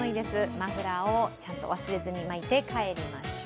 マフラーを忘れずに巻いて帰りましょう。